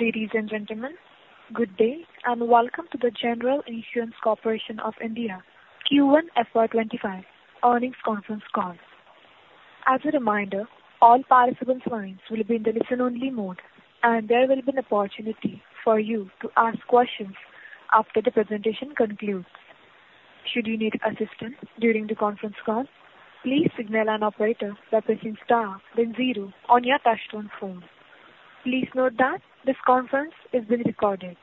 Ladies and gentlemen, good day, and welcome to the General Insurance Corporation of India Q1 FY2025 earnings conference call. As a reminder, all participant lines will be in the listen-only mode, and there will be an opportunity for you to ask questions after the presentation concludes. Should you need assistance during the conference call, please signal an operator by pressing star then zero on your touchtone phone. Please note that this conference is being recorded.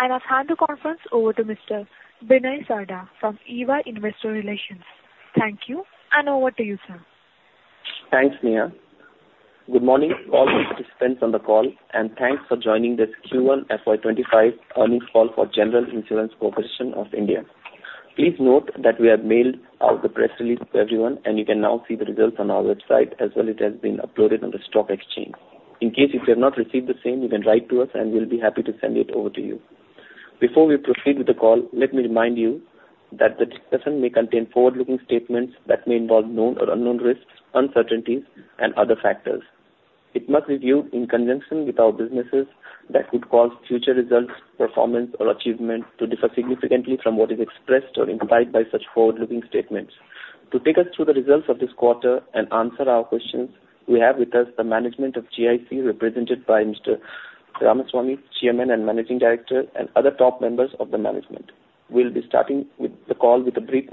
I now hand the conference over to Mr. Binay Sarda from EY Investor Relations. Thank you, and over to you, sir. Thanks, Mia. Good morning, all participants on the call, and thanks for joining this Q1 FY2025 earnings call for General Insurance Corporation of India. Please note that we have mailed out the press release to everyone, and you can now see the results on our website as well, it has been uploaded on the stock exchange. In case you have not received the same, you can write to us, and we'll be happy to send it over to you. Before we proceed with the call, let me remind you that the discussion may contain forward-looking statements that may involve known or unknown risks, uncertainties, and other factors. It must be viewed in conjunction with our businesses that could cause future results, performance, or achievement to differ significantly from what is expressed or implied by such forward-looking statements. To take us through the results of this quarter and answer our questions, we have with us the management of GIC, represented by Mr. Ramaswamy, Chairman and Managing Director, and other top members of the management. We'll be starting with the call with a brief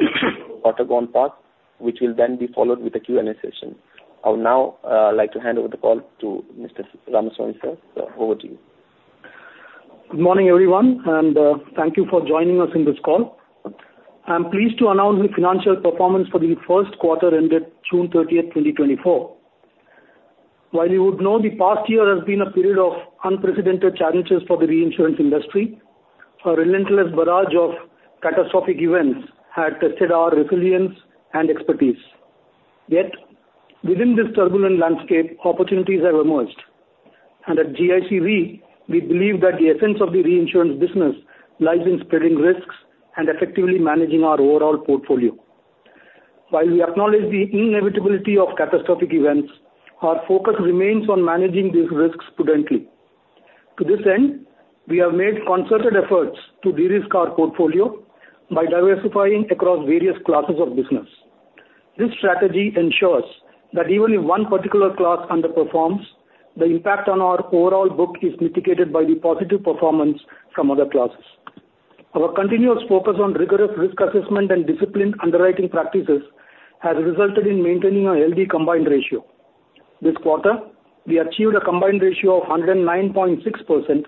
quarter gone past, which will then be followed with a Q&A session. I would now like to hand over the call to Mr. Ramaswamy, sir. So over to you. Good morning, everyone, and thank you for joining us in this call. I'm pleased to announce the financial performance for the first quarter ended June 30, 2024. While you would know the past year has been a period of unprecedented challenges for the reinsurance industry, a relentless barrage of catastrophic events had tested our resilience and expertise. Yet, within this turbulent landscape, opportunities have emerged. And at GIC Re, we believe that the essence of the reinsurance business lies in spreading risks and effectively managing our overall portfolio. While we acknowledge the inevitability of catastrophic events, our focus remains on managing these risks prudently. To this end, we have made concerted efforts to de-risk our portfolio by diversifying across various classes of business. This strategy ensures that even if one particular class underperforms, the impact on our overall book is mitigated by the positive performance from other classes. Our continuous focus on rigorous risk assessment and disciplined underwriting practices has resulted in maintaining a healthy combined ratio. This quarter, we achieved a combined ratio of 109.6%,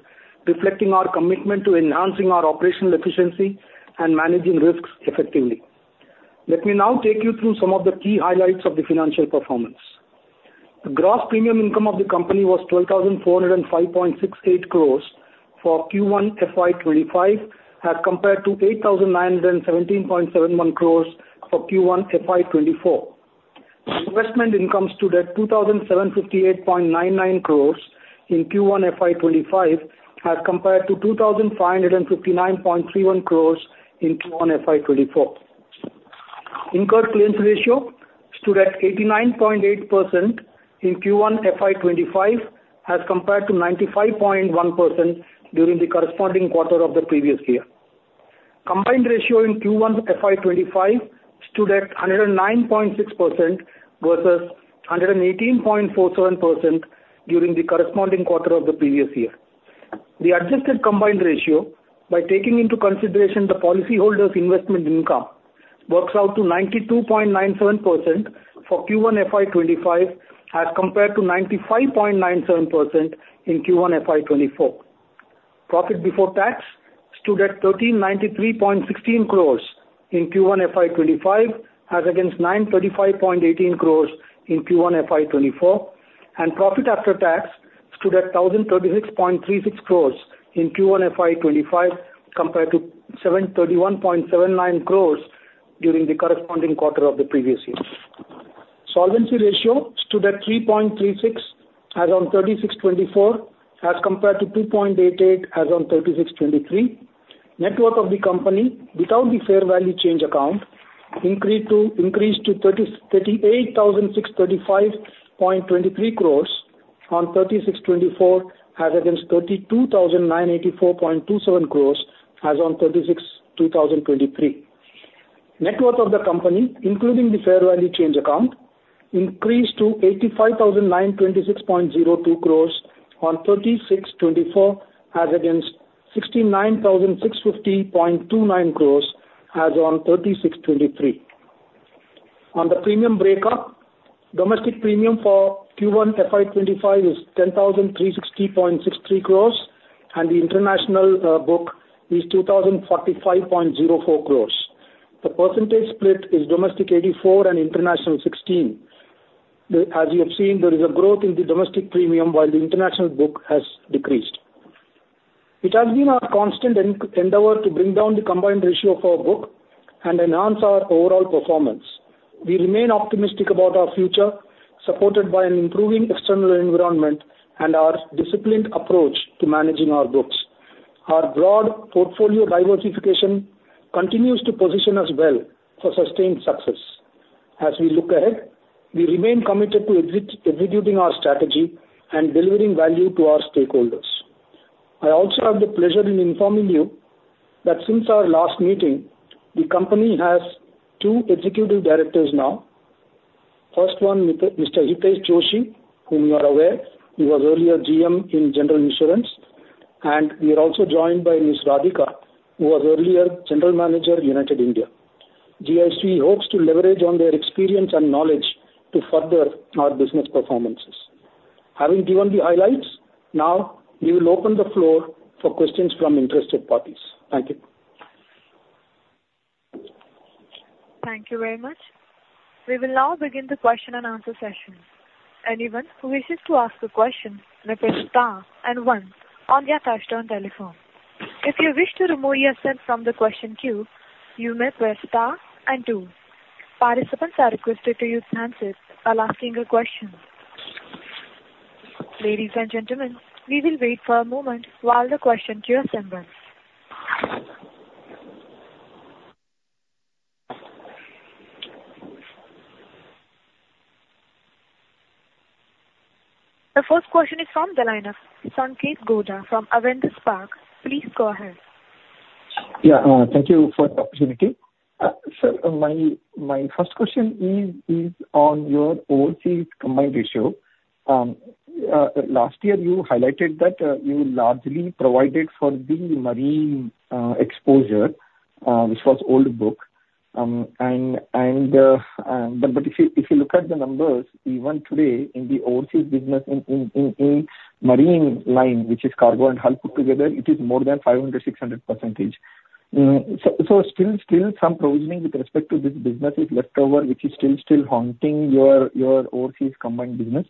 reflecting our commitment to enhancing our operational efficiency and managing risks effectively. Let me now take you through some of the key highlights of the financial performance. The gross premium income of the company was 12,405.68 crore for Q1 FY2025, as compared to 8,917.71 crore for Q1 FY2024. Investment income stood at 2,758.99 crore in Q1 FY2025, as compared to 2,559.31 crore in Q1 FY2024. Incurred claims ratio stood at 89.8% in Q1 FY2025, as compared to 95.1% during the corresponding quarter of the previous year. Combined ratio in Q1 FY2025 stood at 109.6% versus 118.47% during the corresponding quarter of the previous year. The adjusted combined ratio, by taking into consideration the policyholder's investment income, works out to 92.97% for Q1 FY2025, as compared to 95.97% in Q1 FY2024. Profit before tax stood at 1,393.16 crore in Q1 FY2025, as against 935.18 crore in Q1 FY2024. Profit after tax stood at 1,036.36 crores in Q1 FY2025, compared to 731.79 crores during the corresponding quarter of the previous year. Solvency ratio stood at 3.36 as on March 31, 2024, as compared to 2.88 as on March 31, 2023. Net worth of the company, without the fair value change account, increased to 38,635.23 crores on March 31, 2024, as against 32,984.27 crores as on March 31, 2023. Net worth of the company, including the fair value change account, increased to 85,926.02 crores on March 31, 2024, as against 69,650.29 crores as on March 31, 2023. On the premium breakup, domestic premium for Q1 FY2025 is 10,360.63 crore, and the international book is 2,045.04 crore. The percentage split is domestic 84% and international 16%. As you have seen, there is a growth in the domestic premium, while the international book has decreased. It has been our constant endeavor to bring down the combined ratio of our book and enhance our overall performance. We remain optimistic about our future, supported by an improving external environment and our disciplined approach to managing our books. Our broad portfolio diversification continues to position us well for sustained success. As we look ahead, we remain committed to executing our strategy and delivering value to our stakeholders. I also have the pleasure in informing you that since our last meeting, the company has two executive directors now. First one, Mr. Hitesh Joshi, whom you are aware, he was earlier GM in General Insurance, and we are also joined by Ms. Radhika, who was earlier General Manager, United India. GIC hopes to leverage on their experience and knowledge to further our business performances. Having given the highlights, now we will open the floor for questions from interested parties. Thank you. Thank you very much. We will now begin the question and answer session. Anyone who wishes to ask a question, may press star and one on their touchtone telephone. If you wish to remove yourself from the question queue, you may press star and two. Participants are requested to use handsets while asking a question. Ladies and gentlemen, we will wait for a moment while the question queue populates. The first question is from the line of Sanketh Godha from Avendus Spark. Please go ahead. Yeah, thank you for the opportunity. Sir, my first question is on your overseas combined ratio. Last year, you highlighted that you largely provided for the marine exposure, which was old book. And but if you look at the numbers, even today, in the overseas business, in marine line, which is cargo and hull put together, it is more than 500-600%. So still some provisioning with respect to this business is left over, which is still haunting your overseas combined business?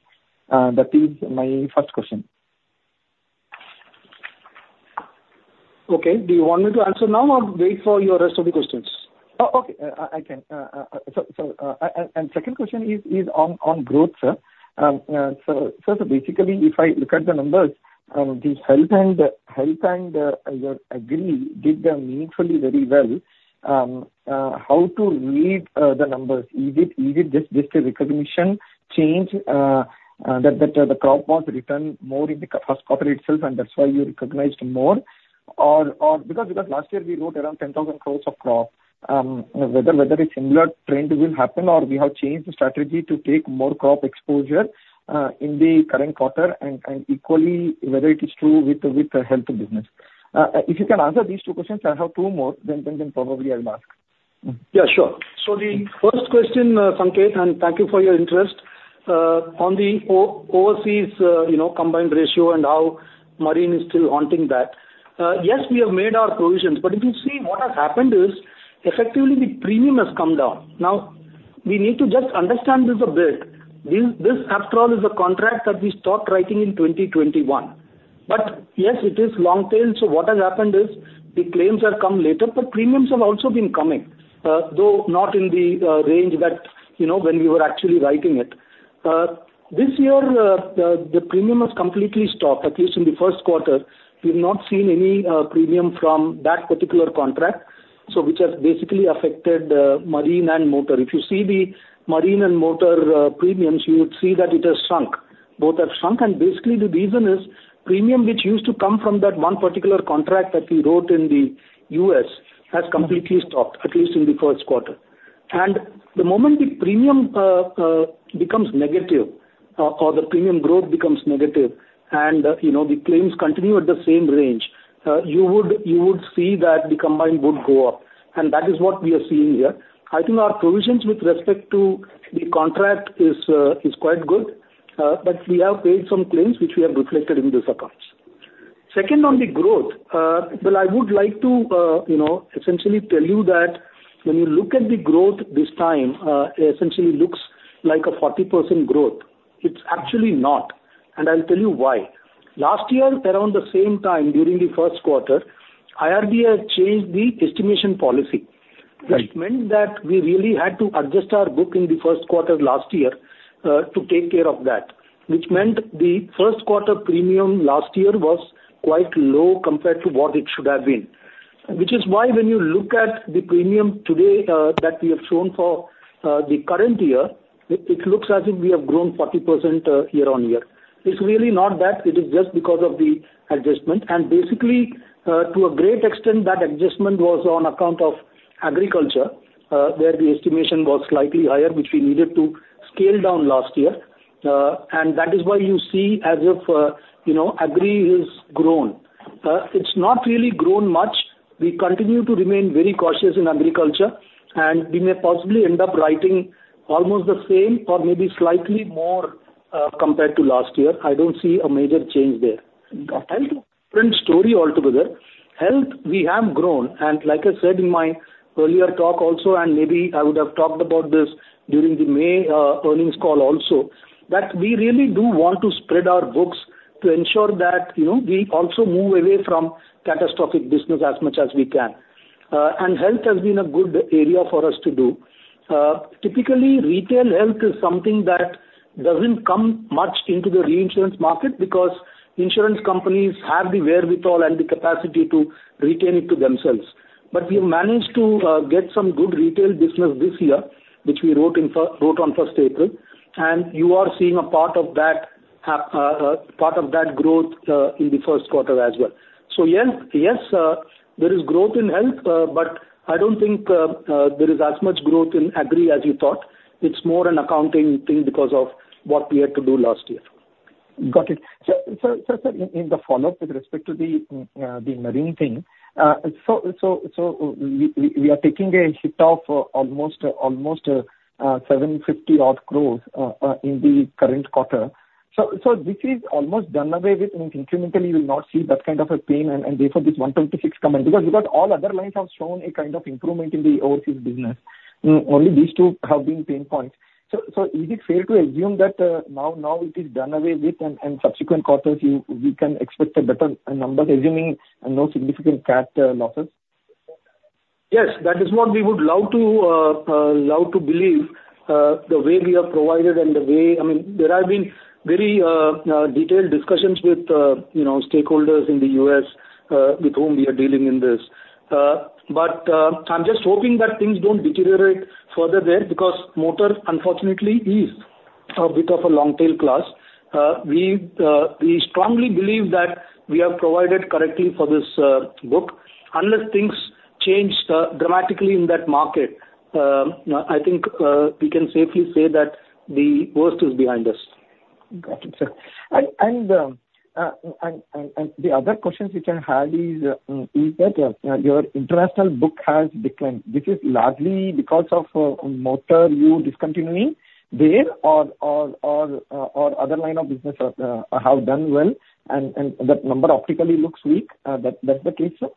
That is my first question. Okay. Do you want me to answer now or wait for your rest of the questions? Oh, okay. Second question is on growth, sir. So basically, if I look at the numbers, the health and agri did them meaningfully very well. How to read the numbers? Is it just a recognition change that the crop was written more in the first quarter itself, and that's why you recognized more? Or because last year we wrote around 10,000 crore of crop, whether a similar trend will happen, or we have changed the strategy to take more crop exposure in the current quarter and equally whether it is true with the health business. If you can answer these two questions, I have two more, then probably I'll ask. Yeah, sure. So the first question, Sanketh, and thank you for your interest. On the overseas, you know, combined ratio and how marine is still haunting that. Yes, we have made our provisions, but if you see what has happened is effectively the premium has come down. Now, we need to just understand this a bit. This, after all, is a contract that we stopped writing in 2021. But yes, it is long tail, so what has happened is the claims have come later, but premiums have also been coming, though not in the range that, you know, when we were actually writing it. This year, the premium has completely stopped, at least in the first quarter, we've not seen any premium from that particular contract, so which has basically affected marine and motor. If you see the marine and motor, premiums, you would see that it has sunk. Both have sunk and basically the reason is, premium which used to come from that one particular contract that we wrote in the U.S., has completely stopped, at least in the first quarter. And the moment the premium, becomes negative, or the premium growth becomes negative, and, you know, the claims continue at the same range, you would, you would see that the combined would go up. And that is what we are seeing here. I think our provisions with respect to the contract is, is quite good, but we have paid some claims which we have reflected in these accounts. Second, on the growth, well, I would like to, you know, essentially tell you that when you look at the growth this time, it essentially looks like a 40% growth. It's actually not, and I'll tell you why. Last year, around the same time during the first quarter, IRDA changed the estimation policy. Right. Which meant that we really had to adjust our book in the first quarter last year to take care of that. Which meant the first quarter premium last year was quite low compared to what it should have been. Which is why when you look at the premium today that we have shown for the current year, it looks as if we have grown 40% year-on-year. It's really not that; it is just because of the adjustment. And basically, to a great extent, that adjustment was on account of agriculture, where the estimation was slightly higher, which we needed to scale down last year. And that is why you see, as if, you know, agri has grown. It's not really grown much. We continue to remain very cautious in agriculture, and we may possibly end up writing almost the same or maybe slightly more, compared to last year. I don't see a major change there. Health, different story altogether. Health, we have grown, and like I said in my earlier talk also, and maybe I would have talked about this during the May earnings call also, that we really do want to spread our books to ensure that, you know, we also move away from catastrophic business as much as we can. And health has been a good area for us to do. Typically, retail health is something that doesn't come much into the reinsurance market because insurance companies have the wherewithal and the capacity to retain it to themselves. But we managed to get some good retail business this year, which we wrote on first April, and you are seeing a part of that growth in the first quarter as well. So yes, there is growth in health, but I don't think there is as much growth in agri as you thought. It's more an accounting thing because of what we had to do last year. Got it. So, sir, in the follow-up, with respect to the marine thing, so we are taking a hit of almost 750 odd crores in the current quarter. So this is almost done away with, I mean, incrementally, we will not see that kind of a pain, and therefore, this 126 come in. Because all other lines have shown a kind of improvement in the overseas business. Only these two have been pain points. So is it fair to assume that now it is done away with and subsequent quarters, we can expect better numbers, assuming no significant CAT losses? Yes, that is what we would love to, love to believe. The way we have provided and the way... I mean, there have been very, detailed discussions with, you know, stakeholders in the U.S., with whom we are dealing in this. But, I'm just hoping that things don't deteriorate further there, because motor, unfortunately, is a bit of a long tail class. We, we strongly believe that we have provided correctly for this, book. Unless things change, dramatically in that market, I think, we can safely say that the worst is behind us. Got it, sir. And the other questions we can have is, is that your international book has declined. This is largely because of motor you discontinuing there or other line of business have done well and that number optically looks weak. That's the case, sir?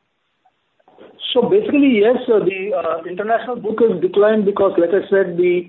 So basically, yes, the international book has declined because, like I said, the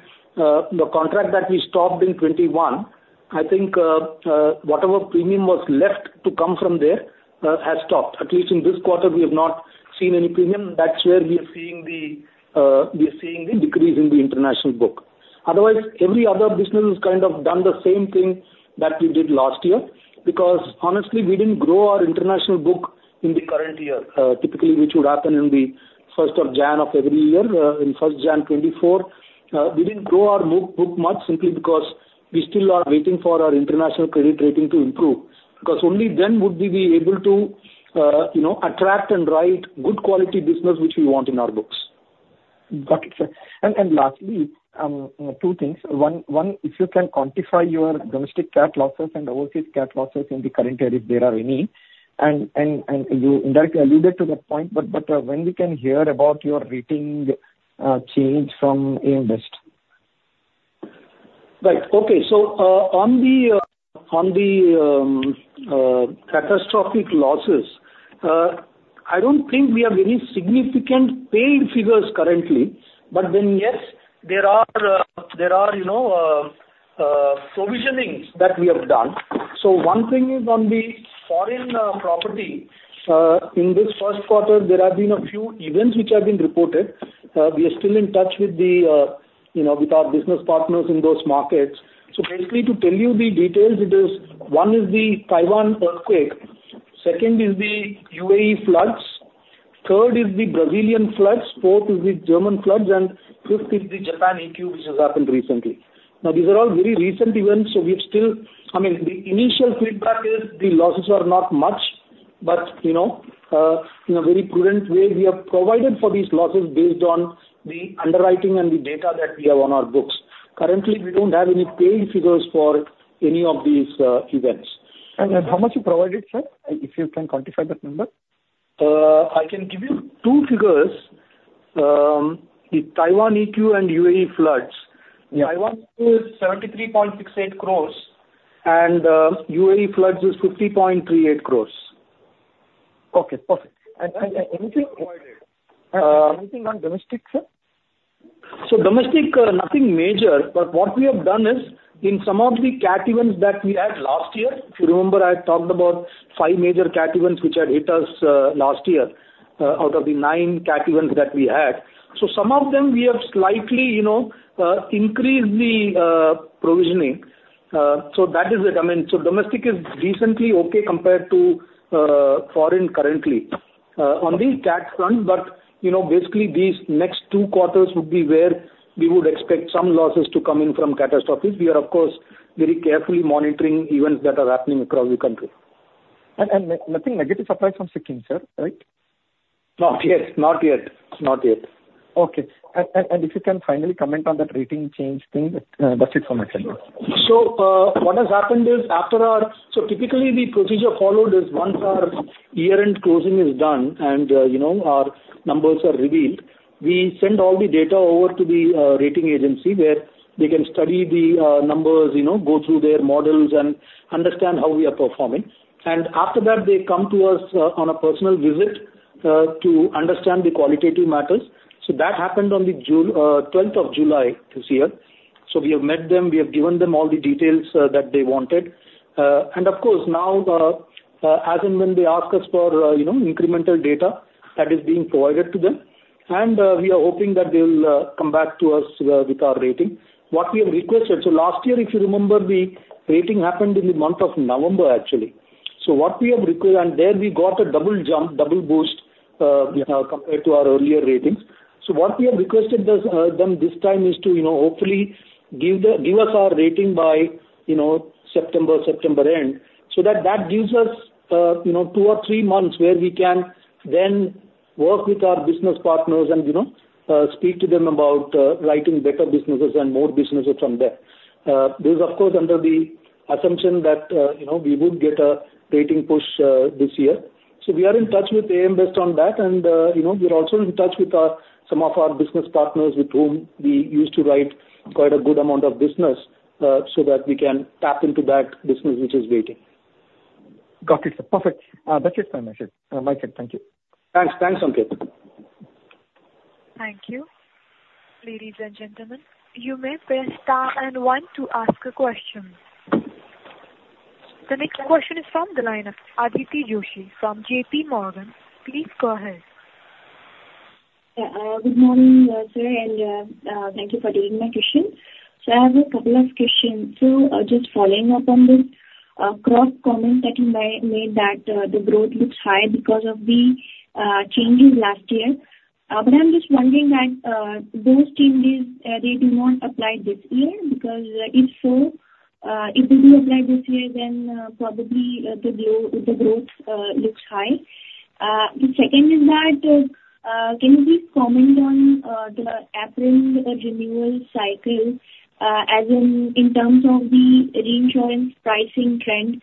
contract that we stopped in 2021, I think, whatever premium was left to come from there, has stopped. At least in this quarter, we have not seen any premium. That's where we are seeing the decrease in the international book. Otherwise, every other business has kind of done the same thing that we did last year. Because honestly, we didn't grow our international book in the current year, typically, which would happen in the first of January of every year. In first January 2024, we didn't grow our book much simply because we still are waiting for our international credit rating to improve. Because only then would we be able to, you know, attract and write good quality business, which we want in our books. Got it, sir. And lastly, two things. One, if you can quantify your domestic cat losses and overseas cat losses in the current year, if there are any, and you indirectly alluded to that point, but when we can hear about your rating change from AM Best? Right. Okay. So, on the catastrophic losses, I don't think we have any significant paid figures currently. But then, yes, there are, there are, you know, provisionings that we have done. So one thing is on the foreign property, in this first quarter, there have been a few events which have been reported. We are still in touch with the, you know, with our business partners in those markets. So basically, to tell you the details, it is, one is the Taiwan earthquake, second is the UAE floods, third is the Brazilian floods, fourth is the German floods, and fifth is the Japan EQ, which has happened recently. Now, these are all very recent events, so we are still, I mean, the initial feedback is the losses are not much, but, you know, in a very prudent way, we have provided for these losses based on the underwriting and the data that we have on our books. Currently, we don't have any paid figures for any of these events. And how much you provided, sir? If you can quantify that number. I can give you two figures. The Taiwan EQ and UAE floods. Yeah. Taiwan is 73.68 crores and UAE floods is 50.38 crores. Okay. Perfect. Anything provided. Anything on domestic, sir? So domestic, nothing major, but what we have done is, in some of the cat events that we had last year, if you remember, I talked about five major cat events which had hit us, last year, out of the nine cat events that we had. So some of them, we have slightly, you know, increased the, provisioning. So that is it. I mean, so domestic is decently okay compared to, foreign currently. On the cat front, but, you know, basically these next two quarters would be where we would expect some losses to come in from catastrophic. We are, of course, very carefully monitoring events that are happening across the country. Nothing negative applies from Sikkim, sir, right? Not yet. Not yet. Not yet. Okay. And if you can finally comment on that rating change thing, that's it from my side. So, what has happened is, typically, the procedure followed is once our year-end closing is done and, you know, our numbers are revealed, we send all the data over to the rating agency, where they can study the numbers, you know, go through their models and understand how we are performing. And after that, they come to us on a personal visit to understand the qualitative matters. So that happened on the June 12 of July this year. So we have met them, we have given them all the details that they wanted. And of course, now, as and when they ask us for, you know, incremental data, that is being provided to them. And we are hoping that they will come back to us with our rating. What we have requested—so last year, if you remember, the rating happened in the month of November, actually... So what we have required, and there we got a double jump, double boost, compared to our earlier ratings. So what we have requested this, them this time is to, you know, hopefully give the—give us our rating by, you know, September, September end, so that that gives us, you know, two or three months where we can then work with our business partners and, you know, speak to them about, writing better businesses and more businesses from there. This is, of course, under the assumption that, you know, we would get a rating push, this year. We are in touch with AM Best on that and, you know, we're also in touch with some of our business partners with whom we used to write quite a good amount of business, so that we can tap into that business which is waiting. Got it. Perfect. That's it for my shift. Thank you. Thanks. Thanks, Sanket. Thank you. Ladies and gentlemen, you may press star and one to ask a question. The next question is from the line of Aditi Joshi from JPMorgan. Please go ahead. Yeah, good morning, sir, and thank you for taking my question. So I have a couple of questions. So just following up on this gross comment that you made that the growth looks high because of the changes last year. But I'm just wondering that those changes they do not apply this year, because if so, it will be applied this year, then probably the growth looks high. The second is that can you please comment on the April renewal cycle, as in, in terms of the reinsurance pricing trend,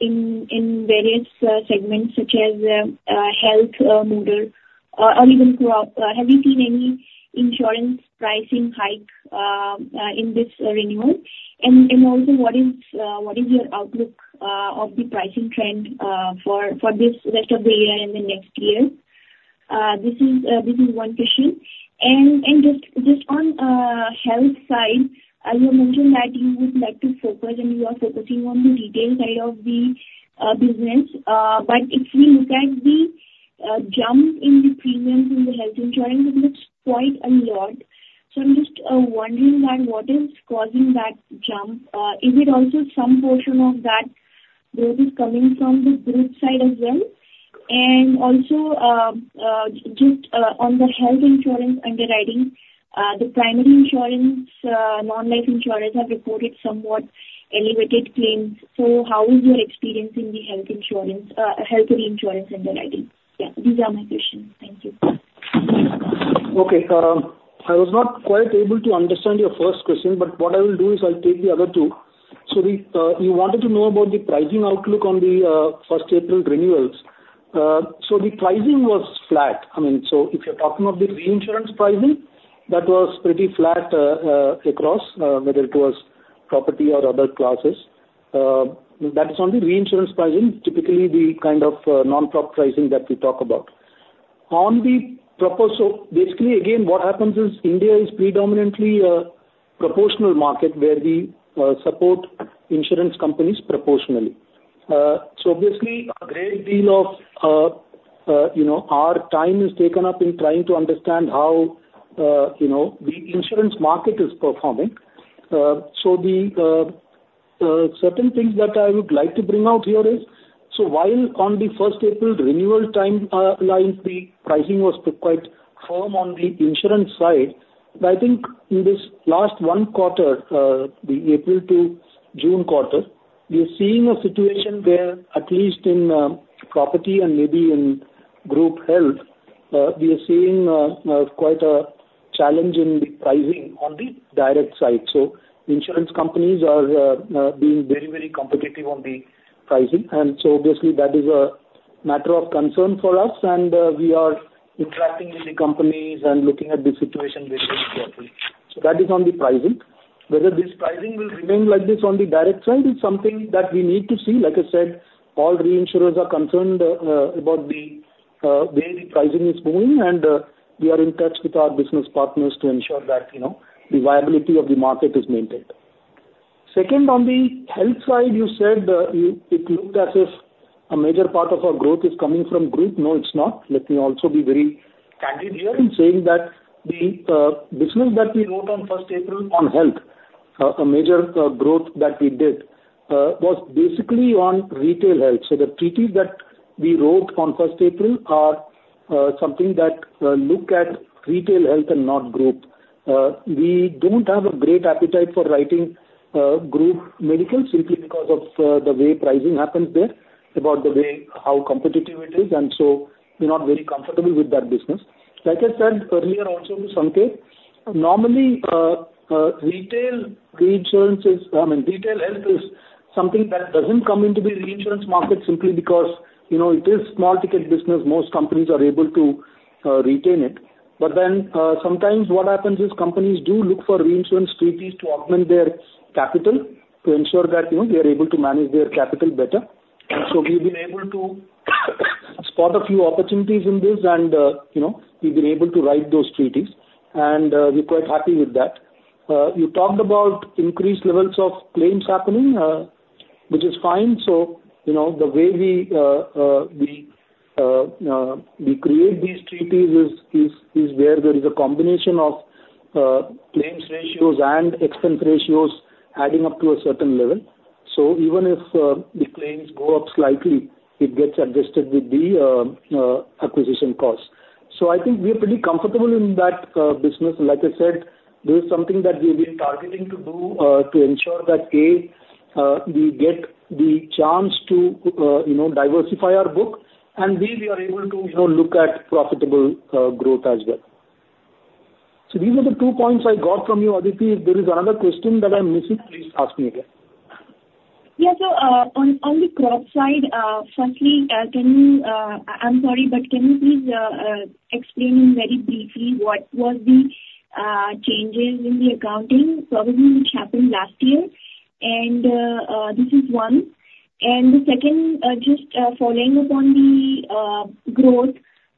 in various segments such as health, motor, or even crop? Have you seen any insurance pricing hike in this renewal? Also, what is your outlook of the pricing trend for the rest of the year and the next year? This is one question. Just on the health side, you mentioned that you would like to focus and you are focusing on the retail side of the business. But if we look at the jump in the premiums in the health insurance, it looks quite a lot. So I'm just wondering what is causing that jump? Is it also some portion of that growth is coming from the group side as well? And also, just on the health insurance underwriting, the primary insurance non-life insurers have reported somewhat elevated claims. So how is your experience in the health insurance health reinsurance underwriting? Yeah, these are my questions. Thank you. Okay, I was not quite able to understand your first question, but what I will do is I'll take the other two. So, you wanted to know about the pricing outlook on the first April renewals. So, the pricing was flat. I mean, so if you're talking of the reinsurance pricing, that was pretty flat across whether it was property or other classes. That is on the reinsurance pricing, typically the kind of non-prop pricing that we talk about. So basically, again, what happens is India is predominantly a proportional market where we support insurance companies proportionally. So obviously, a great deal of, you know, our time is taken up in trying to understand how, you know, the insurance market is performing. So the certain things that I would like to bring out here is, so while on the first April renewal time, line, the pricing was quite firm on the insurance side, but I think in this last one quarter, the April to June quarter, we are seeing a situation where, at least in, property and maybe in group health, we are seeing, quite a challenge in the pricing on the direct side. So insurance companies are, being very, very competitive on the pricing. And so obviously that is a matter of concern for us, and, we are interacting with the companies and looking at the situation very carefully. So that is on the pricing. Whether this pricing will remain like this on the direct side is something that we need to see. Like I said, all reinsurers are concerned about the way the pricing is going, and we are in touch with our business partners to ensure that, you know, the viability of the market is maintained. Second, on the health side, you said it looked as if a major part of our growth is coming from group. No, it's not. Let me also be very candid here in saying that the business that we wrote on 1st April on health a major growth that we did was basically on retail health. So the treaty that we wrote on 1st April are something that look at retail health and not group. We don't have a great appetite for writing group health simply because of the way pricing happens there, about the way how competitive it is, and so we're not very comfortable with that business. Like I said earlier, also, Sanket, normally, retail reinsurance is, I mean, retail health is something that doesn't come into the reinsurance market simply because, you know, it is small ticket business, most companies are able to retain it. But then, sometimes what happens is companies do look for reinsurance treaties to augment their capital to ensure that, you know, they are able to manage their capital better. So we've been able to spot a few opportunities in this and, you know, we've been able to write those treaties, and we're quite happy with that. You talked about increased levels of claims happening, which is fine. So you know, the way we create these treaties is where there is a combination of claims ratios and expense ratios adding up to a certain level. So even if the claims go up slightly, it gets adjusted with the acquisition cost. So I think we are pretty comfortable in that business. Like I said, this is something that we've been targeting to do to ensure that, A, we get the chance to you know, diversify our book, and B, we are able to you know, look at profitable growth as well. So these are the two points I got from you, Aditi. If there is another question that I'm missing, please ask me again. Yeah, so, on the crop side, firstly, can you... I'm sorry, but can you please explain very briefly what was the changes in the accounting, probably which happened last year? And this is one. And the second, just following upon the growth,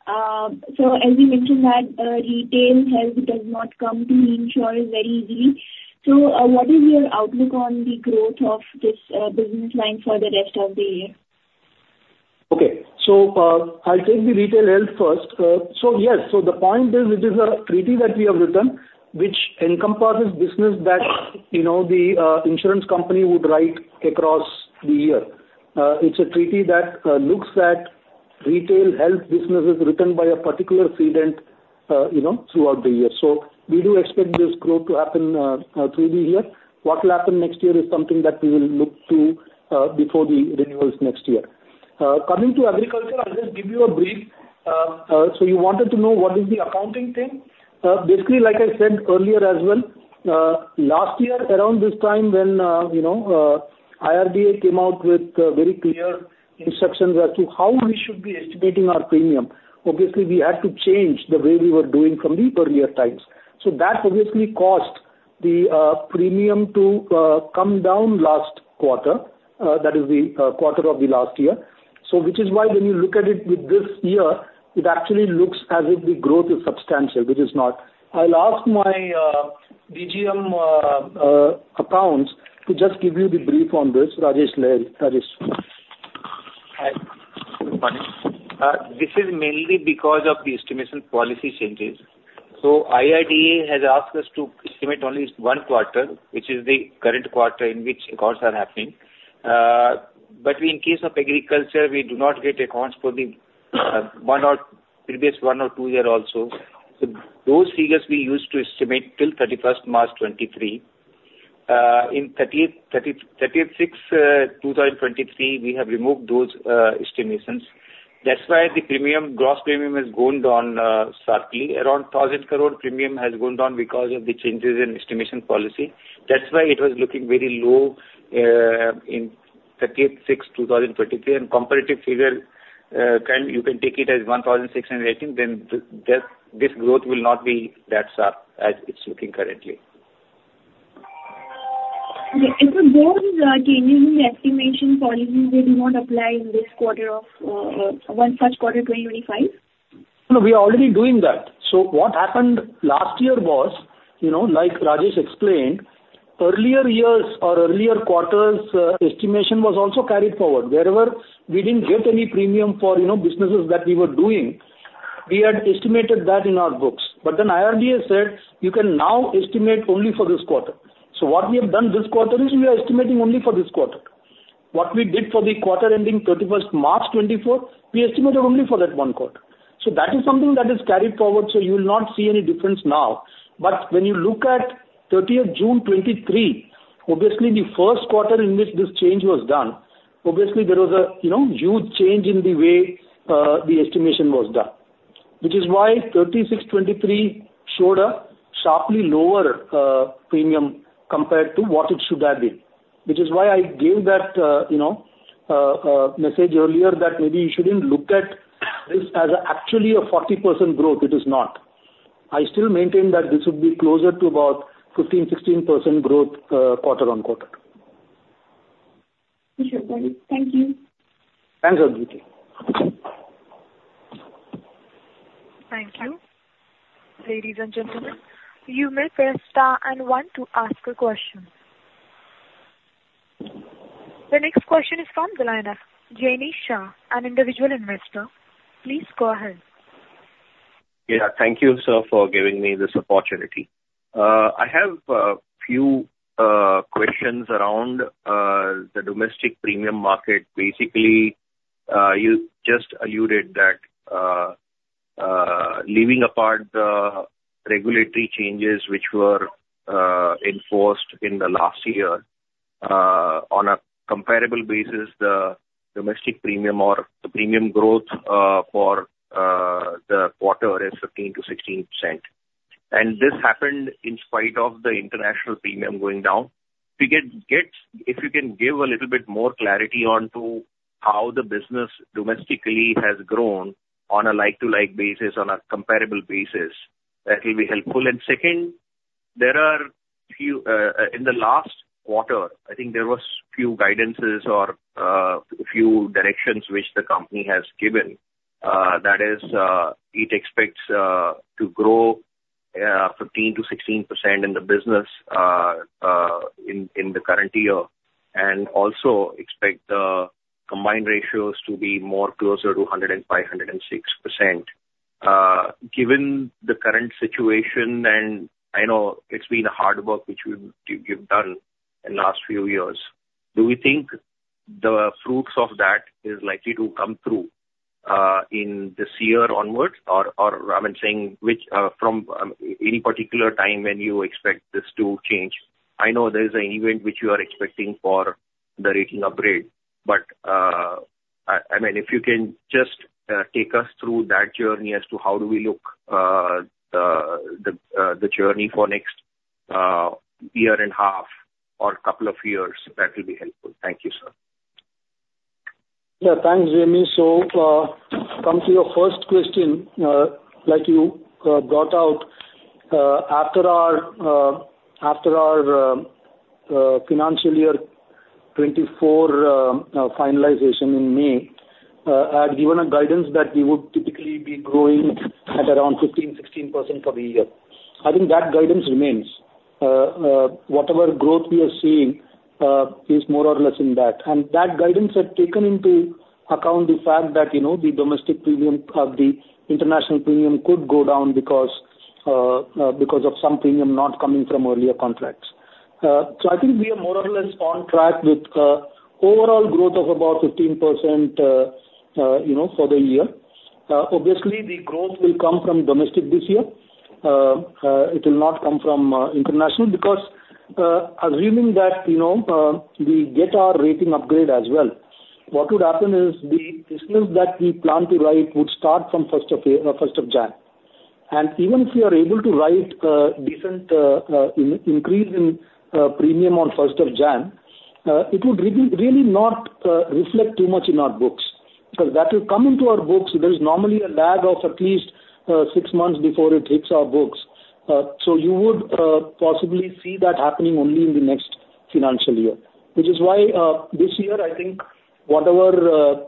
so as you mentioned that retail health does not come to insure very easily. So, what is your outlook on the growth of this business line for the rest of the year? Okay. So, I'll take the retail health first. So yes, so the point is, it is a treaty that we have written, which encompasses business that, you know, the insurance company would write across the year. It's a treaty that looks at retail health businesses written by a particular cedent, you know, throughout the year. So we do expect this growth to happen through the year. What will happen next year is something that we will look to before the renewals next year. Coming to agriculture, I'll just give you a brief. So you wanted to know what is the accounting thing? Basically, like I said earlier as well, last year, around this time when, you know, IRDA came out with very clear instructions as to how we should be estimating our premium. Obviously, we had to change the way we were doing from the earlier times. So that obviously caused the premium to come down last quarter, that is the quarter of the last year. So which is why when you look at it with this year, it actually looks as if the growth is substantial, which is not. I'll ask my DGM accounts to just give you the brief on this. Rajesh, Rajesh. Hi. Good morning. This is mainly because of the estimation policy changes. So IRDA has asked us to estimate only one quarter, which is the current quarter in which accounts are happening. But in case of agriculture, we do not get accounts for the one or previous one or two year also. So those figures we used to estimate till March 31, 2023. In 2023, we have removed those estimations. That's why the premium, gross premium, has gone down sharply. Around 1,000 crore premium has gone down because of the changes in estimation policy. That's why it was looking very low in 2023. Comparative figure, you can take it as 1,618 crore, then this growth will not be that sharp as it's looking currently. Yeah. And so those changes in estimation policy will not apply in this quarter of one such quarter, 2025? No, we are already doing that. So what happened last year was, you know, like Rajesh explained, earlier years or earlier quarters, estimation was also carried forward. Wherever we didn't get any premium for, you know, businesses that we were doing, we had estimated that in our books. But then IRDA said, "You can now estimate only for this quarter." So what we have done this quarter is we are estimating only for this quarter. What we did for the quarter ending 31st March 2024, we estimated only for that one quarter. So that is something that is carried forward, so you will not see any difference now. But when you look at 30th June 2023, obviously the first quarter in which this change was done, obviously there was a, you know, huge change in the way, the estimation was done. Which is why 36, 23 showed a sharply lower premium compared to what it should have been. Which is why I gave that, you know, message earlier that maybe you shouldn't look at this as actually a 40% growth. It is not. I still maintain that this would be closer to about 15, 16% growth quarter-on-quarter. Sure, thank you. Thanks, Aditi. Thank you. Ladies and gentlemen, you may press star and one to ask a question. The next question is from the line of Jenish Shah, an individual investor. Please go ahead. Yeah, thank you, sir, for giving me this opportunity. I have a few questions around the domestic premium market. Basically, you just alluded that, leaving apart the regulatory changes which were enforced in the last year, on a comparable basis, the domestic premium or the premium growth for the quarter is 15%-16%. And this happened in spite of the international premium going down. If you can give a little bit more clarity onto how the business domestically has grown on a like-to-like basis, on a comparable basis, that will be helpful. And second, there are few... In the last quarter, I think there was few guidances or, few directions which the company has given. That is, it expects to grow 15%-16% in the business, in the current year… and also expect the combined ratios to be more closer to 105%-106%. Given the current situation, and I know it's been hard work which you, you've done in last few years, do we think the fruits of that is likely to come through, in this year onwards or, or I mean, saying which, from any particular time when you expect this to change? I know there is an event which you are expecting for the rating upgrade, but, I mean, if you can just take us through that journey as to how do we look, the journey for next year and half or couple of years, that will be helpful. Thank you, sir. Yeah. Thanks, Jamie. So, come to your first question. Like you brought out, after our financial year 2024 finalization in May, I had given a guidance that we would typically be growing at around 15, 16% for the year. I think that guidance remains. Whatever growth we are seeing is more or less in that. And that guidance had taken into account the fact that, you know, the domestic premium or the international premium could go down because of some premium not coming from earlier contracts. So I think we are more or less on track with overall growth of about 15%, you know, for the year. Obviously, the growth will come from domestic this year. It will not come from international because, assuming that, you know, we get our rating upgrade as well, what would happen is the business that we plan to write would start from first of January. Even if we are able to write a decent increase in premium on first of January, it would really, really not reflect too much in our books. Because that will come into our books, there is normally a lag of at least six months before it hits our books. You would possibly see that happening only in the next financial year. Which is why, this year, I think whatever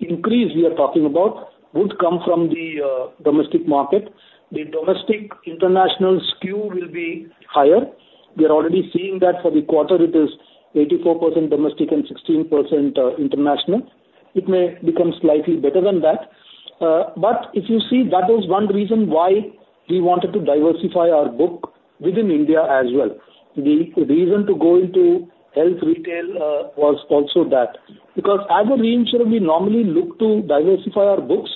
increase we are talking about would come from the domestic market. The domestic international skew will be higher. We are already seeing that for the quarter, it is 84% domestic and 16%, international. It may become slightly better than that. But if you see, that was one reason why we wanted to diversify our book within India as well. The reason to go into health retail was also that. Because as a reinsurer, we normally look to diversify our books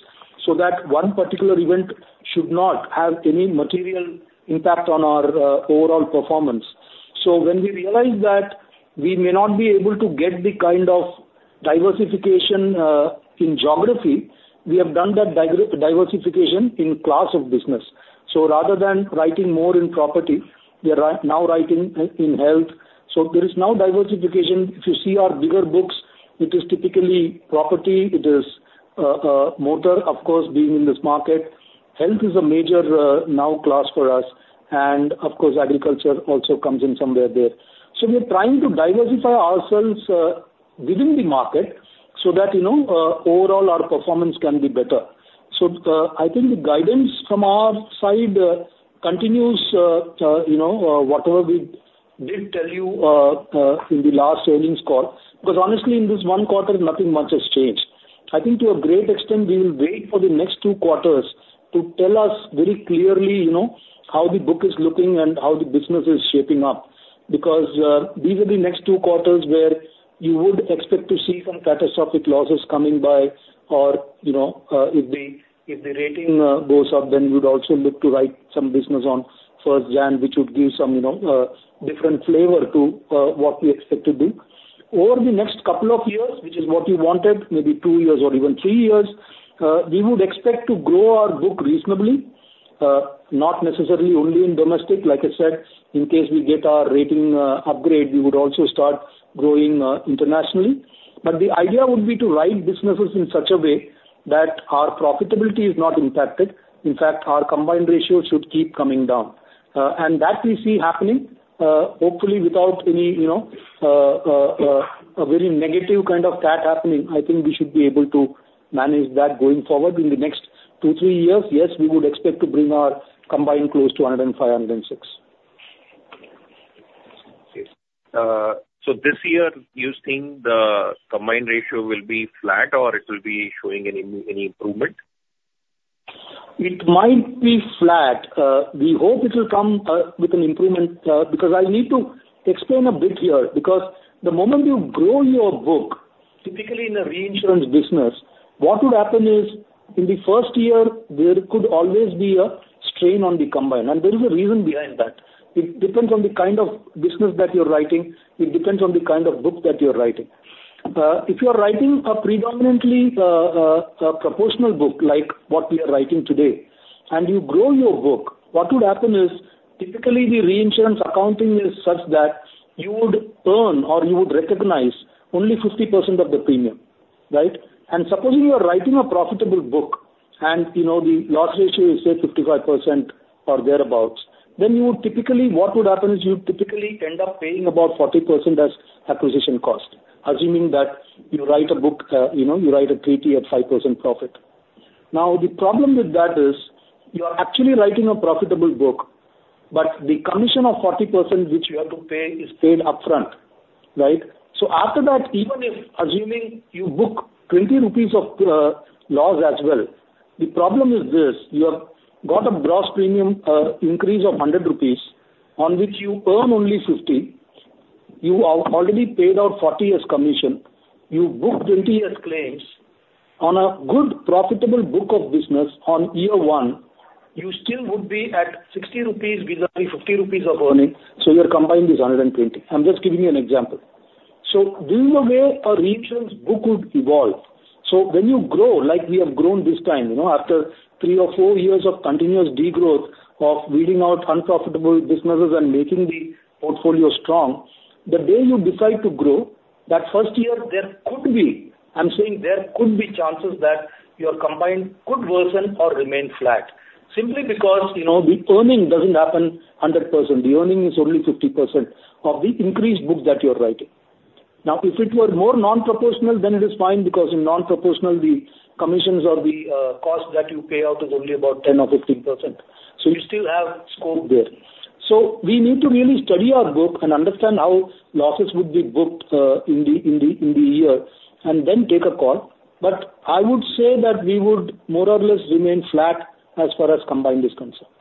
so that one particular event should not have any material impact on our overall performance. So when we realized that we may not be able to get the kind of diversification in geography, we have done that diversification in class of business. So rather than writing more in property, we are now writing in health. So there is now diversification. If you see our bigger books, it is typically property, it is, motor, of course, being in this market. Health is a major, now class for us, and of course, agriculture also comes in somewhere there. So we are trying to diversify ourselves, within the market so that, you know, overall our performance can be better. So, I think the guidance from our side, continues, you know, whatever we did tell you, in the last earnings call. Because honestly, in this one quarter, nothing much has changed. I think to a great extent, we will wait for the next two quarters to tell us very clearly, you know, how the book is looking and how the business is shaping up. Because, these are the next two quarters where you would expect to see some catastrophic losses coming by or, you know, if the rating goes up, then we would also look to write some business on first January, which would give some, you know, different flavor to, what we expect to do. Over the next couple of years, which is what we wanted, maybe two years or even three years, we would expect to grow our book reasonably, not necessarily only in domestic. Like I said, in case we get our rating upgrade, we would also start growing, internationally. But the idea would be to write businesses in such a way that our profitability is not impacted. In fact, our combined ratio should keep coming down. and that we see happening, hopefully without any, you know, a very negative kind of cat happening. I think we should be able to manage that going forward. In the next 2-3 years, yes, we would expect to bring our combined close to 105-106. So this year, you think the combined ratio will be flat, or it will be showing any improvement? It might be flat. We hope it will come with an improvement, because I need to explain a bit here. Because the moment you grow your book, typically in a reinsurance business, what would happen is, in the first year, there could always be a strain on the combined, and there is a reason behind that. It depends on the kind of business that you're writing. It depends on the kind of book that you're writing. If you are writing a predominantly a proportional book, like what we are writing today, and you grow your book, what would happen is, typically the reinsurance accounting is such that you would earn or you would recognize only 50% of the premium, right? And supposing you are writing a profitable book and, you know, the loss ratio is, say, 55% or thereabout, then you would typically, what would happen is you would typically end up paying about 40% as acquisition cost, assuming that you write a book, you know, you write a treaty at 5% profit.... Now, the problem with that is, you are actually writing a profitable book, but the commission of 40% which you have to pay is paid upfront, right? So after that, even if assuming you book 20 rupees of loss as well, the problem is this: you have got a gross premium increase of 100 rupees, on which you earn only 50. You have already paid out 40 as commission. You book 20 as claims. On a good, profitable book of business on year one, you still would be at 60 rupees vis-a-vis 50 rupees of earning, so your combined is 120. I'm just giving you an example. So this is the way a reinsurance book would evolve. So when you grow, like we have grown this time, you know, after three or four years of continuous degrowth, of weeding out unprofitable businesses and making the portfolio strong, the day you decide to grow, that first year there could be, I'm saying there could be chances that your combined could worsen or remain flat. Simply because, you know, the earning doesn't happen 100%, the earning is only 50% of the increased book that you're writing. Now, if it were more non-proportional, then it is fine, because in non-proportional, the commissions or the cost that you pay out is only about 10%-15%, so you still have scope there. So we need to really study our book and understand how losses would be booked in the year, and then take a call. But I would say that we would more or less remain flat as far as combined is concerned.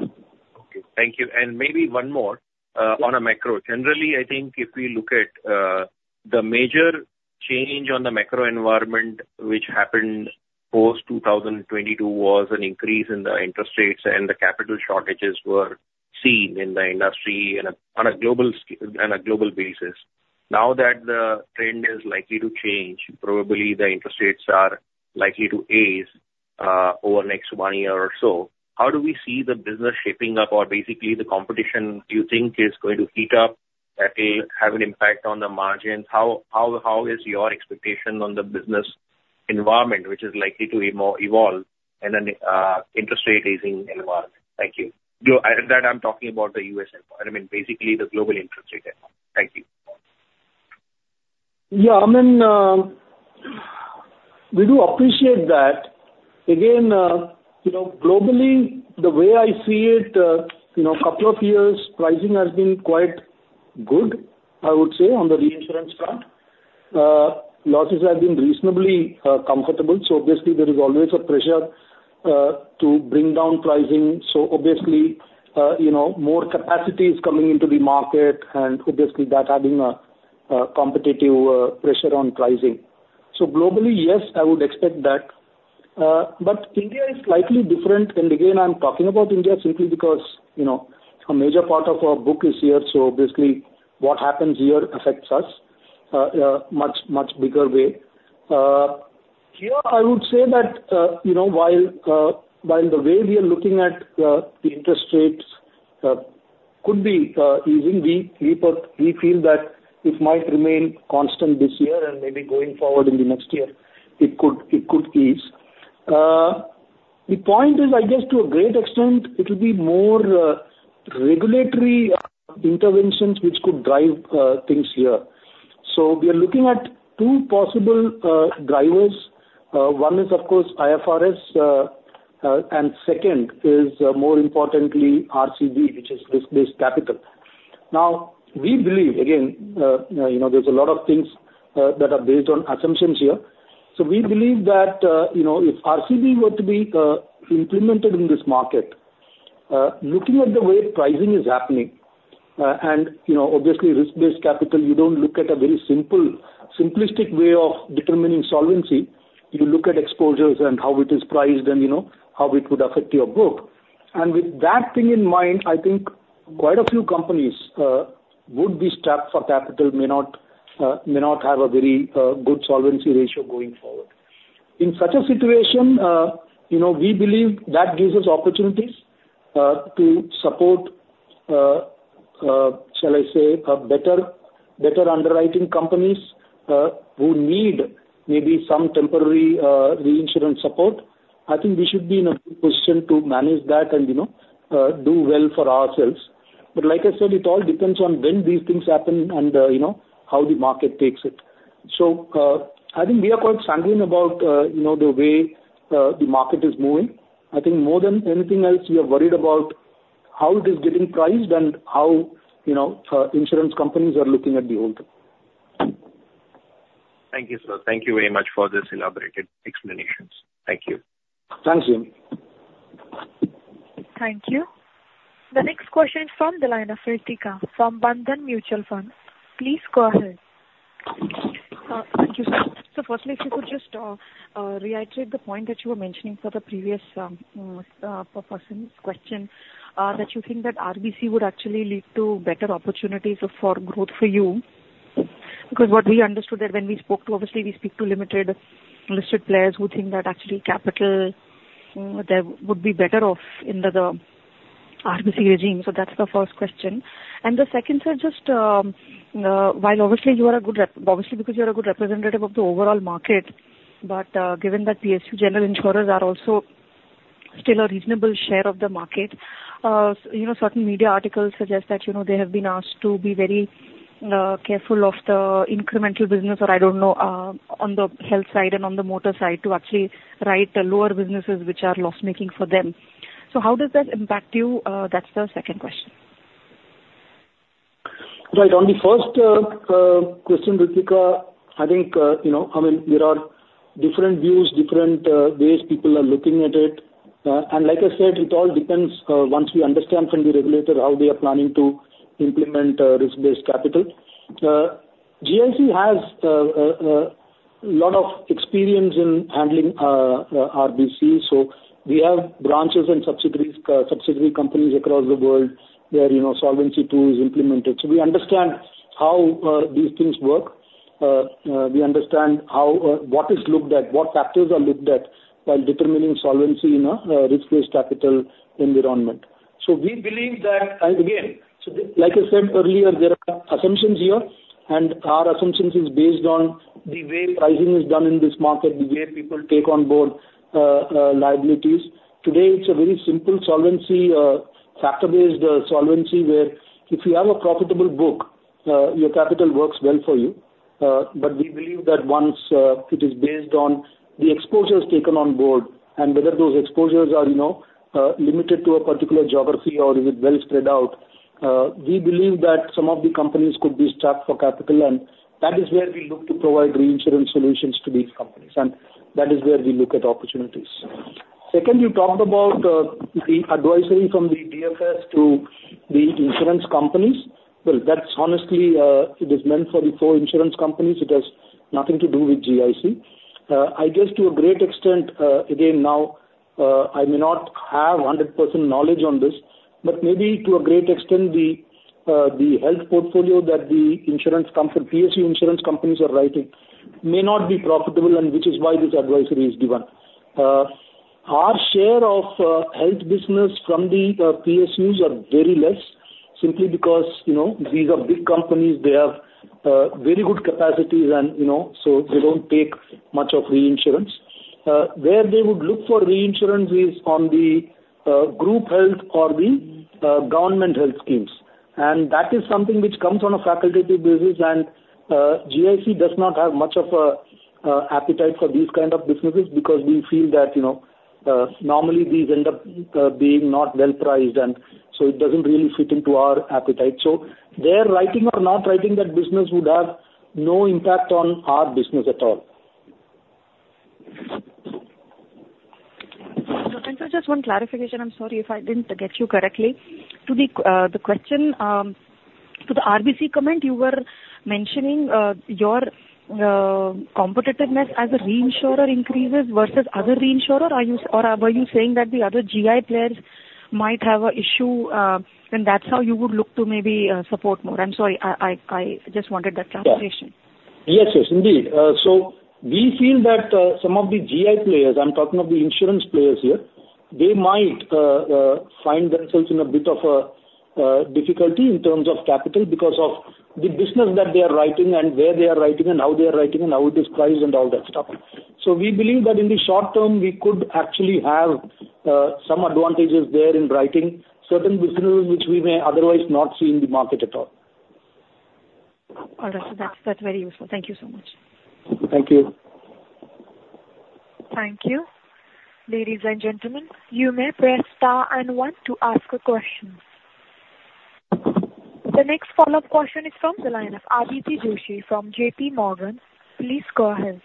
Okay, thank you. And maybe one more on a macro. Generally, I think if we look at the major change on the macro environment, which happened post-2022, was an increase in the interest rates and the capital shortages were seen in the industry on a global basis. Now that the trend is likely to change, probably the interest rates are likely to ease over the next one year or so, how do we see the business shaping up, or basically, the competition, do you think is going to heat up, that will have an impact on the margins? How is your expectation on the business environment, which is likely to evolve in an interest rate raising environment? Thank you. Though, and that I'm talking about the U.S. environment, I mean, basically the global interest rate environment. Thank you. Yeah, I mean, we do appreciate that. Again, you know, globally, the way I see it, you know, couple of years, pricing has been quite good, I would say, on the reinsurance front. Losses have been reasonably, comfortable, so obviously there is always a pressure, to bring down pricing. So obviously, you know, more capacity is coming into the market and obviously that adding a, competitive, pressure on pricing. So globally, yes, I would expect that. But India is slightly different, and again, I'm talking about India simply because, you know, a major part of our book is here, so obviously what happens here affects us, much, much bigger way. Here, I would say that, you know, while the way we are looking at the interest rates could be easing, but we feel that it might remain constant this year and maybe going forward in the next year, it could ease. The point is, I guess, to a great extent, it will be more regulatory interventions which could drive things here. So we are looking at two possible drivers. One is, of course, IFRS, and second is, more importantly, RBC, which is risk-based capital. Now, we believe, again, you know, there's a lot of things that are based on assumptions here. So we believe that, you know, if RBC were to be implemented in this market, looking at the way pricing is happening, and, you know, obviously, risk-based capital, you don't look at a very simple, simplistic way of determining solvency. You look at exposures and how it is priced and, you know, how it would affect your book. And with that thing in mind, I think quite a few companies would be strapped for capital, may not have a very good solvency ratio going forward. In such a situation, you know, we believe that gives us opportunities to support, shall I say, better underwriting companies who need maybe some temporary reinsurance support. I think we should be in a good position to manage that and, you know, do well for ourselves. But like I said, it all depends on when these things happen and, you know, how the market takes it. So, I think we are quite sanguine about, you know, the way, the market is moving. I think more than anything else, we are worried about how it is getting priced and how, you know, insurance companies are looking at the whole thing. Thank you, sir. Thank you very much for this elaborated explanations. Thank you. Thanks, Jimmy. Thank you. The next question from the line of Ritika from Bandhan Mutual Fund. Please go ahead. Thank you, sir. So firstly, if you could just reiterate the point that you were mentioning for the previous person's question, that you think that RBC would actually lead to better opportunities for growth for you. Because what we understood that when we spoke to, obviously, we speak to limited listed players who think that actually capital there would be better off in the RBC regime. So that's the first question. And the second, sir, just while obviously you are a good representative of the overall market, but given that PSU general insurers are also still a reasonable share of the market. You know, certain media articles suggest that, you know, they have been asked to be very careful of the incremental business or I don't know, on the health side and on the motor side, to actually write the lower businesses which are loss-making for them. So how does that impact you? That's the second question. Right. On the first question, Ritika, I think, you know, I mean, there are different views, different ways people are looking at it. And like I said, it all depends once we understand from the regulator how they are planning to implement risk-based capital. GIC has a lot of experience in handling RBC, so we have branches and subsidiaries, subsidiary companies across the world, where, you know, Solvency II is implemented. So we understand how these things work. We understand how what is looked at, what factors are looked at, while determining solvency in a risk-based capital environment. So we believe that, and again, so like I said earlier, there are assumptions here, and our assumptions is based on the way pricing is done in this market, the way people take on board, liabilities. Today, it's a very simple solvency, factor-based, solvency, where if you have a profitable book, your capital works well for you. But we believe that once, it is based on the exposures taken on board and whether those exposures are, you know, limited to a particular geography or is it well spread out, we believe that some of the companies could be stuck for capital, and that is where we look to provide reinsurance solutions to these companies, and that is where we look at opportunities. Second, you talked about, the advisory from the DFS to the insurance companies. Well, that's honestly, it is meant for the four insurance companies. It has nothing to do with GIC. I guess to a great extent, again, now, I may not have 100% knowledge on this, but maybe to a great extent, the health portfolio that the insurance company, PSU insurance companies are writing may not be profitable, and which is why this advisory is given. Our share of health business from the PSUs are very less, simply because, you know, these are big companies. They have very good capacities and, you know, so they don't take much of reinsurance. Where they would look for reinsurance is on the group health or the government health schemes. That is something which comes on a facultative basis, and GIC does not have much of a appetite for these kind of businesses because we feel that, you know, normally these end up being not well priced, and so it doesn't really fit into our appetite. Their writing or not writing that business would have no impact on our business at all. So just one clarification. I'm sorry if I didn't get you correctly. To the, the question, to the RBC comment, you were mentioning, your competitiveness as a reinsurer increases versus other reinsurer? Are you or were you saying that the other GI players might have a issue, and that's how you would look to maybe, support more? I'm sorry, I, I, I just wanted that clarification. Yeah. Yes, yes, indeed. So we feel that some of the GI players, I'm talking of the insurance players here, they might find themselves in a bit of difficulty in terms of capital because of the business that they are writing and where they are writing and how they are writing and how it is priced and all that stuff. So we believe that in the short term, we could actually have some advantages there in writing certain businesses which we may otherwise not see in the market at all. All right. So that's, that's very useful. Thank you so much. Thank you. Thank you. Ladies and gentlemen, you may press star and one to ask a question. The next follow-up question is from the line of Aditi Joshi from JPMorgan. Please go ahead.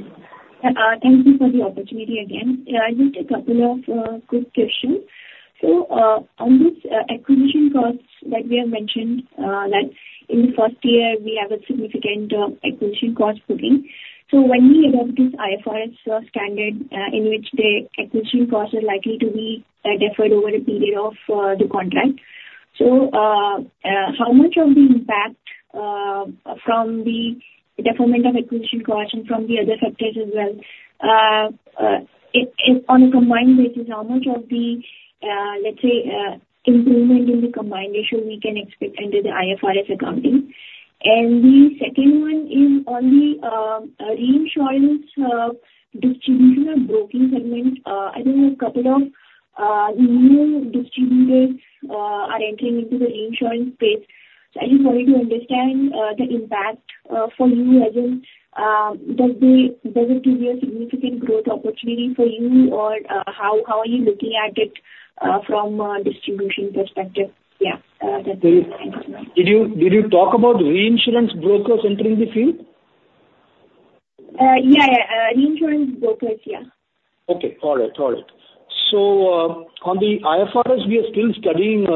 Thank you for the opportunity again. Yeah, I have a couple of quick questions. So, on this acquisition costs that we have mentioned, that in the first year we have a significant acquisition cost putting. So when we adopt this IFRS standard, in which the acquisition costs are likely to be deferred over a period of the contract, so, how much of the impact from the deferment of acquisition cost and from the other sectors as well, On a combined basis, how much of the, let's say, improvement in the combined ratio we can expect under the IFRS accounting? And the second one is on the reinsurance distribution and broking segment. I know a couple of new distributors are entering into the reinsurance space. So I just wanted to understand the impact for you as in, does it give you a significant growth opportunity for you, or how are you looking at it from a distribution perspective? Yeah, that's it. Thank you so much. Did you talk about reinsurance brokers entering the field? Yeah, yeah. Reinsurance brokers, yeah. Okay. All right. All right. So, on the IFRS, we are still studying,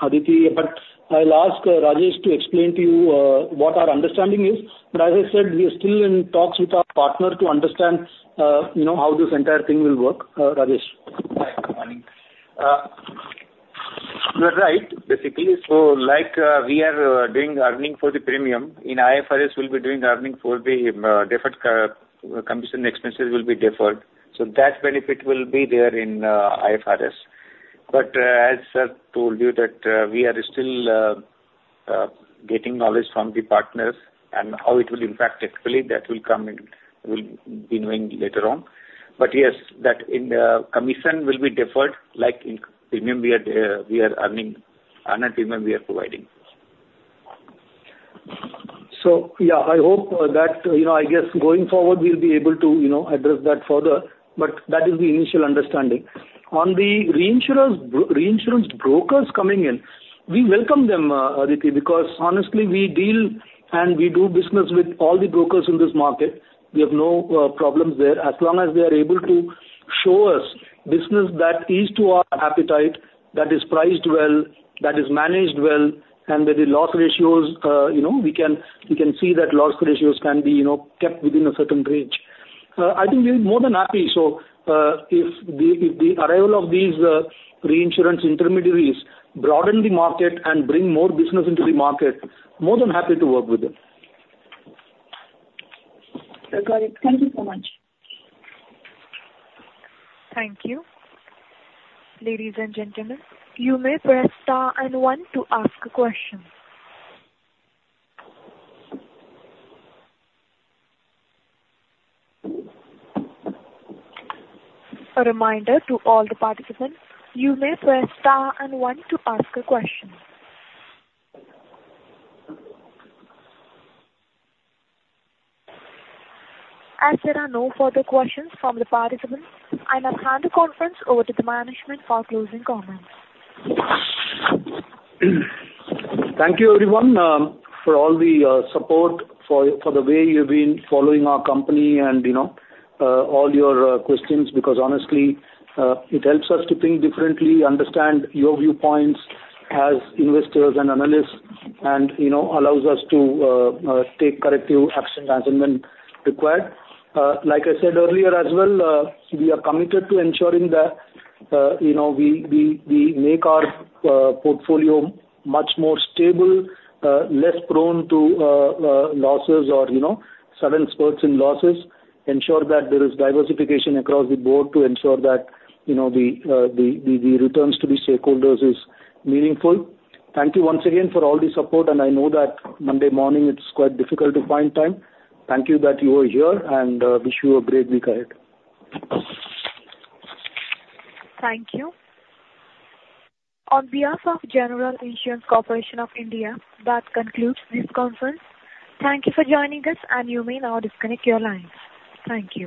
Aditi, but I'll ask Rajesh to explain to you what our understanding is. But as I said, we are still in talks with our partner to understand, you know, how this entire thing will work. Rajesh? Hi, good morning. You are right, basically, so like, we are doing the earning for the premium, in IFRS we'll be doing the earning for the deferred commission expenses will be deferred, so that benefit will be there in IFRS. But, as I told you that, we are still getting knowledge from the partners and how it will impact actually, that will come in- we'll be knowing later on. But yes, that in the commission will be deferred, like in premium we are, we are earning, unearned premium we are providing. So yeah, I hope that, you know, I guess going forward, we'll be able to, you know, address that further, but that is the initial understanding. On the reinsurance brokers coming in, we welcome them, Aditi, because honestly, we deal and we do business with all the brokers in this market. We have no problems there. As long as they are able to show us business that is to our appetite, that is priced well, that is managed well, and that the loss ratios, you know, we can, we can see that loss ratios can be, you know, kept within a certain range. I think we're more than happy. So, if the, if the arrival of these reinsurance intermediaries broaden the market and bring more business into the market, more than happy to work with them. I got it. Thank you so much. Thank you. Ladies and gentlemen, you may press star and one to ask a question. A reminder to all the participants, you may press star and one to ask a question. As there are no further questions from the participants, I now hand the conference over to the management for closing comments. Thank you, everyone, for all the support, for the way you've been following our company and, you know, all your questions, because honestly, it helps us to think differently, understand your viewpoints as investors and analysts, and, you know, allows us to take corrective action as and when required. Like I said earlier as well, we are committed to ensuring that, you know, we make our portfolio much more stable, less prone to losses or, you know, sudden spurts in losses. Ensure that there is diversification across the board to ensure that, you know, the returns to the stakeholders is meaningful. Thank you once again for all the support, and I know that Monday morning, it's quite difficult to find time. Thank you that you are here, and wish you a great week ahead. Thank you. On behalf of General Insurance Corporation of India, that concludes this conference. Thank you for joining us, and you may now disconnect your lines. Thank you.